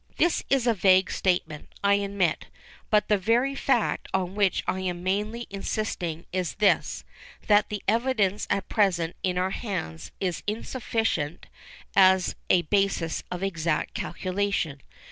This is a vague statement, I admit, but the very fact on which I am mainly insisting is this, that the evidence at present in our hands is insufficient as a basis of exact calculation.